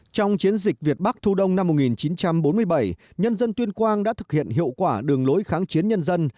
trong chiến dịch việt bắc thu đông năm một nghìn chín trăm bốn mươi bảy nhân dân tuyên quang đã thực hiện hiệu quả đường lối kháng chiến nhân dân